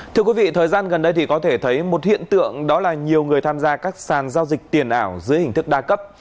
thưa quý vị thời gian gần đây thì có thể thấy một hiện tượng đó là nhiều người tham gia các sàn giao dịch tiền ảo dưới hình thức đa cấp